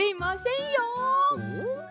ん？